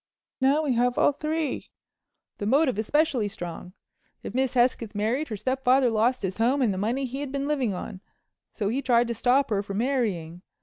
Now we have all three—the motive especially strong. If Miss Hesketh married, her stepfather lost his home and the money he had been living on, so he tried to stop her from marrying.